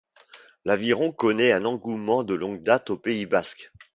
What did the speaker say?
L'aviron connaît un engouement de longue date au Pays basque.